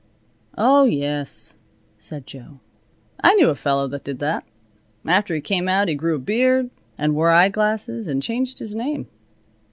"Oh yes," said Jo. "I knew a fellow that did that. After he came out he grew a beard, and wore eyeglasses, and changed his name.